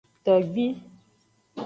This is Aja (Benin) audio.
Togbi.